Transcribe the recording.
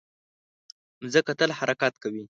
مځکه تل حرکت کوي.